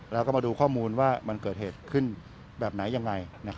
แล้วก็มาดูข้อมูลว่ามันเกิดเหตุขึ้นแบบไหนยังไง